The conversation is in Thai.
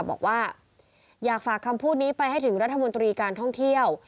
บอกว่าอยากฝากคำพูดนี้ไปให้ถึงรัฐมนตรีการท่องเที่ยว